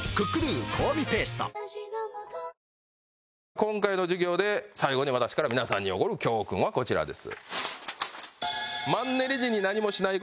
今回の授業で最後に私から皆さんに贈る教訓はこちらです。